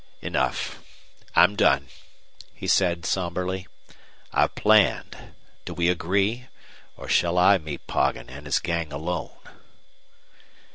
"Enough. I'm done," he said, somberly. "I've planned. Do we agree or shall I meet Poggin and his gang alone?"